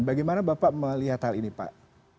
bagaimana bapak melihat hal ini pak